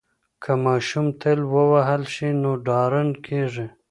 که ماشوم تل ووهل شي نو ډارن کیږي.